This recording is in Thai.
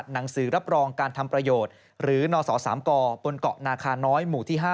หนังสือรับรองการทำประโยชน์หรือนศ๓กบนเกาะนาคาน้อยหมู่ที่๕